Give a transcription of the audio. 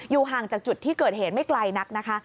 อยู่ห่างจากจุดที่เกิดเหตุไม่ไกลนัก